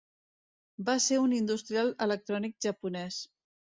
Va ser un industrial electrònic japonès.